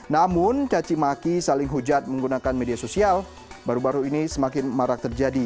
namun cacimaki saling hujat menggunakan media sosial baru baru ini semakin marak terjadi